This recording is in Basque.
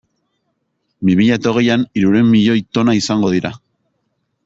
Bi mila eta hogeian hirurehun milioi tona izango dira.